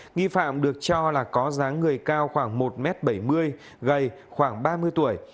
nghi phạm được cho là có dáng người cao khoảng một m bảy mươi gầy khoảng ba mươi tuổi